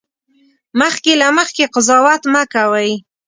مخکې له مخکې قضاوت مه کوئ